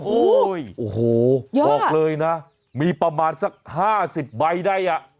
โอ้โหบอกเลยนะมีประมาณสัก๕๐ใบได้อ่ะ